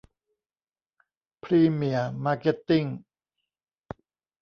พรีเมียร์ มาร์เก็ตติ้ง